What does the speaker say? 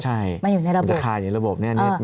ใช่มันอยู่ในระบบ